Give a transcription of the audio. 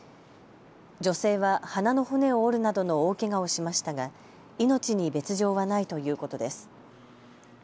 女性は鼻の骨を折るなどの大けがをしましたが命に別状はないということです。